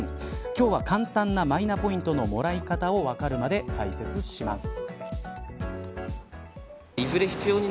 今日は簡単なマイナポイントのもらい方をわかるまで解説します。